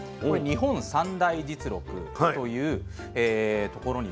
「日本三代実録」というところにですね